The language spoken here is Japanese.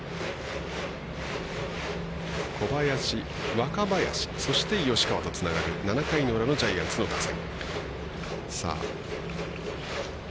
小林、若林そして吉川とつながる７回の裏のジャイアンツの打線。